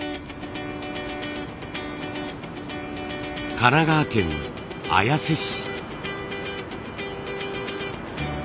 神奈川県綾瀬市。